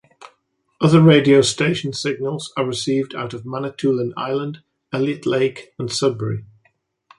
Other radio station signals are received out of Manitoulin Island, Elliot Lake and Sudbury.